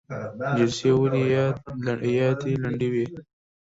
جلسې ولې باید لنډې وي؟